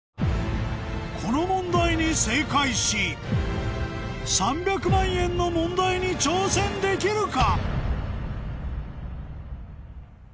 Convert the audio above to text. この問題に正解し３００万円の問題に挑戦できるか？